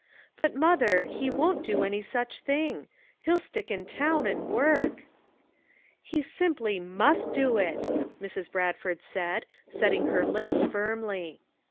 But, Mother, he won't do any such thing; he'll slick in town and work." "He simply must do it," Mrs. Bradford said, setting her lips firmly.